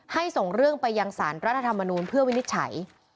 ส่งเรื่องไปยังสารรัฐธรรมนูลเพื่อวินิจฉัย